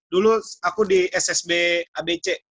dulu aku di ssb abc